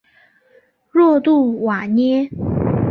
若杜瓦涅。